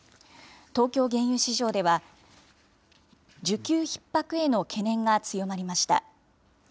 東京原油市場では、需給ひっ迫への懸念が強まりました。